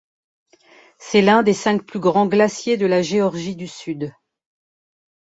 C’est l’un des cinq plus grands glaciers de la Géorgie du Sud.